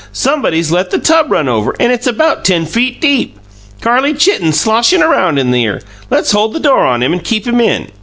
"Somebody's let the tub run over, and it's about ten feet deep! Carlie Chitten's sloshin' around in here. Let's hold the door on him and keep him in!"